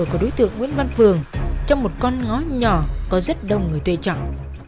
của đối tượng nguyễn văn phường trong một con ngón nhỏ có rất đông người tuê chọn